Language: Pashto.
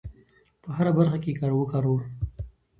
په هره برخه کې یې وکاروو.